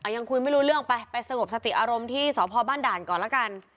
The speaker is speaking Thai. ยังคุยไม่รู้เรื่องไปไปสงบสติอารมณ์ที่สพบ้านด่านก่อนแล้วกัน